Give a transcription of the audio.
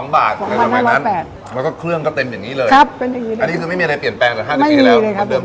๒บาทแล้วก็เครื่องก็เต็มอย่างนี้เลยอันนี้คือไม่มีอะไรเปลี่ยนแปลงตั้งแต่๕๐ปีแล้วเดิมทุกอย่าง